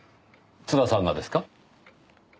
津田さんがですか？